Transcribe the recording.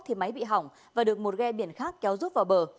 thì máy bị hỏng và được một ghe biển khác kéo rút vào bờ